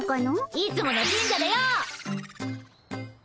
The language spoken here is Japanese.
いつもの神社だよ。